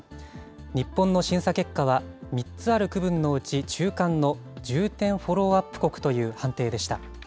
日本の審査結果は３つある区分のうち、中間の重点フォローアップ国という判定でした。